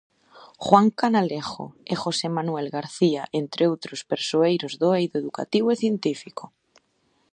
Juan Canalejo e José Manuel García, entre outros persoeiros do eido educativo e científico.